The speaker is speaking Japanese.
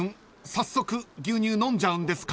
早速牛乳飲んじゃうんですか？］